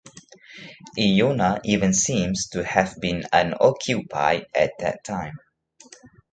Iona even seems to have been unoccupied at that time.